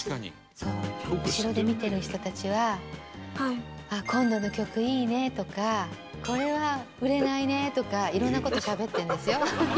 そう後ろで見てる人たちは「今度の曲いいね」とか「これは売れないね」とかいろんな事をしゃべってるんですよ。